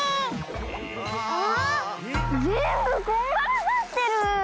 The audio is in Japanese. ああぜんぶこんがらがってる。